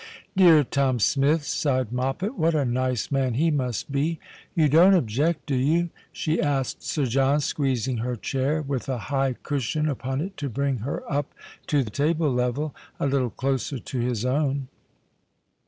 " Dear Tom Smith !" sighed Moppet. " What a nice man he must be! You don't object, do you?" she asked Sir John, squeezing her chair, with a high cushion upon it to bring her up to table level, a little closer to his own.